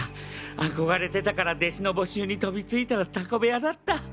憧れてたから弟子の募集に飛びついたらタコ部屋だった。